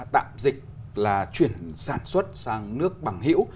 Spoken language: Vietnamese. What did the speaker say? tạm dịch là chuyển sản xuất sang nước bằng hữu